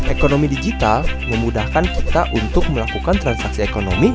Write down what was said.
ekonomi digital memudahkan kita untuk melakukan transaksi ekonomi